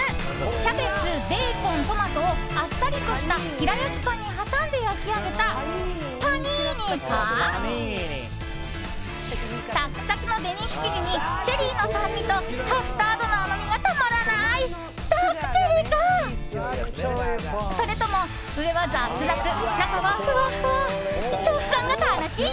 キャベツ、ベーコン、トマトをあっさりとした平焼きパンに挟んで焼き上げたパニーニかサクサクのデニッシュ生地にチェリーの酸味とカスタードの甘みがたまらないダークチェリーかそれとも、上はザクザク中はふわふわ食感が楽しい